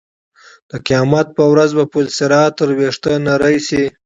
د قیامت په ورځ به پل صراط تر وېښته نرۍ شي.